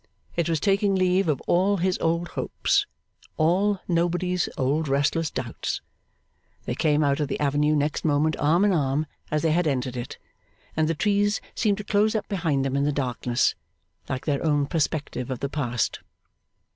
It was taking leave of all his old hopes all nobody's old restless doubts. They came out of the avenue next moment, arm in arm as they had entered it: and the trees seemed to close up behind them in the darkness, like their own perspective of the past.